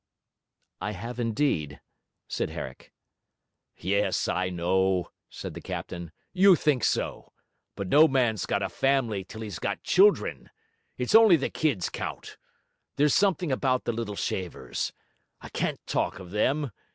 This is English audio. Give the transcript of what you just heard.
'I have indeed,' said Herrick. 'Yes, I know,' said the captain, 'you think so. But no man's got a family till he's got children. It's only the kids count. There's something about the little shavers... I can't talk of them.